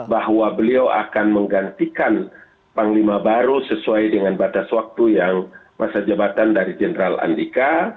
bahwa beliau akan menggantikan panglima baru sesuai dengan batas waktu yang masa jabatan dari jenderal andika